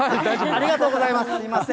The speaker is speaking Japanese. ありがとうございます。